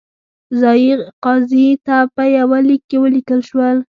ځايي قاضي ته په یوه لیک کې ولیکل شول.